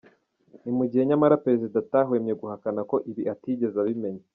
Ni mu gihe nyamara Perezida atahwemye guhakana ko ibi atigeze abimenya.